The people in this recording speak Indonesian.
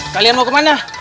kalian mau kemana